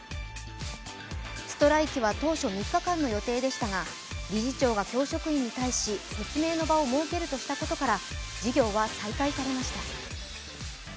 ストライキは当初、３日間の予定でしたが理事長が教職員に対し説明の場を設けるとしたことから授業は再開されました。